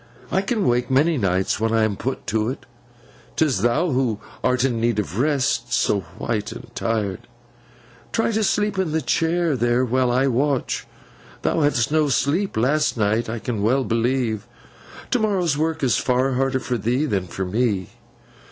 I can wake many nights, when I am put to it. 'Tis thou who art in need of rest—so white and tired. Try to sleep in the chair there, while I watch. Thou hadst no sleep last night, I can well believe. To morrow's work is far harder for thee than for me.